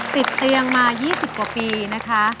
ติดเตียงมา๒๐กว่าปีนะคะ